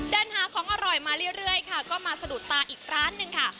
เดินหาของอร่อยมาเรื่อยค่ะก็มาสะดุดตาอีกร้านหนึ่งค่ะ